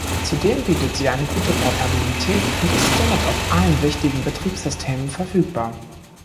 Zudem bietet sie eine gute Portabilität und ist somit auf allen wichtigen Betriebssystemen verfügbar.